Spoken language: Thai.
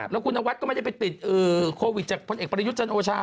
แล้วคุณนวัดก็ไม่ได้ไปติดโควิดจากพลเอกประยุทธ์จันโอชา